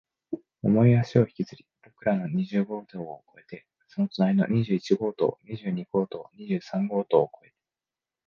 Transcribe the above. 重い足を引きずり、僕らの二十号棟を越えて、その隣の二十一号棟、二十二号棟、二十三号棟を越え、